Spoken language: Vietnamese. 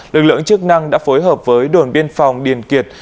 lực lượng chức năng đã phối hợp với đồn biên phòng điền kiệt